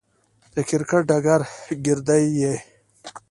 د کرکټ ډګر ګيردى يي.